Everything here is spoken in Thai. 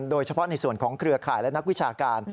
โดยเฉพาะในส่วนของเครือข่ายและนักวิชาการ